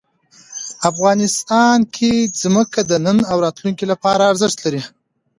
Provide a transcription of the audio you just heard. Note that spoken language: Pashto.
افغانستان کې ځمکه د نن او راتلونکي لپاره ارزښت لري.